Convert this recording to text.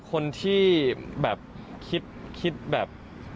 คนที่แบบคิดแบบ